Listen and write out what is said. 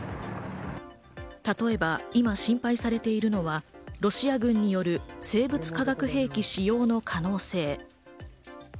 例えば今、心配されているのはロシア軍による生物化学兵器使用の可能性。